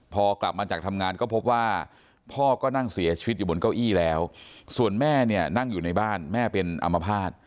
พอกลับมาจากทำงานก็พบว่าพ่อก็นั่งเสียชีวิตอยู่บนเก้าอี้แล้วส่วนแม่เนี่ยนั่งอยู่ในบ้านแม่เป็นอัมพาต